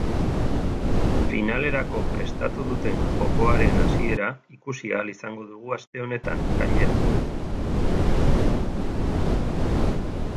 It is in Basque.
Finalerako prestatu duten jokoaren hasiera ikusi ahal izango dugu aste honetan, gainera.